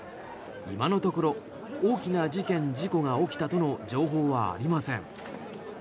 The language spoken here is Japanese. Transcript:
今のところ大きな事件、事故が起きたとの情報はありません。